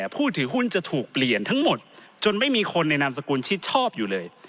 ผู้ถือหุ้นจะถูกเปลี่ยนทั้งหมดจนไม่มีคนในนามสกุลชิดชอบอยู่เลย